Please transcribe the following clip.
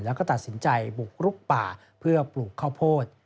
แล้วก็ตัดสินใจบุกรุกป่าเพื่อปลูกข้าวโพด